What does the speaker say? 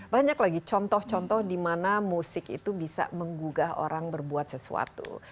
banyak lagi contoh contoh di mana musik itu bisa menggugah orang berbuat sesuatu